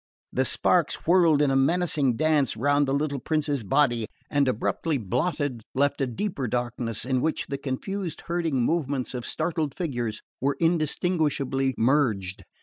The sparks whirled in a menacing dance round the little prince's body, and, abruptly blotted, left a deeper darkness, in which the confused herding movements of startled figures were indistinguishably merged.